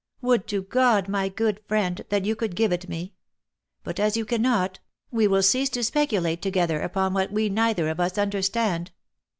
Would to God, my good friend, that you could give it me ! but as you cannot, we will cease to speculate together upon what we neither of us understand.